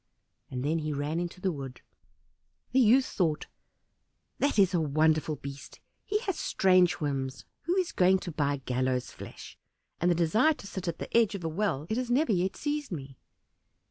And then he ran into the wood. The youth thought, "That is a wonderful beast, he has strange whims; who is going to buy gallows' flesh? and the desire to sit at the edge of a well it has never yet seized me."